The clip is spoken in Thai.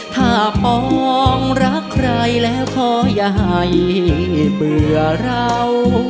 ถ้าปองรักใครแล้วขออย่าให้เบื่อเรา